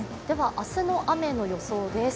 明日の雨の予想です。